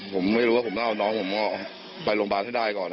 ผมไม่รู้ว่าผมต้องเอาน้องผมออกไปโรงพยาบาลให้ได้ก่อน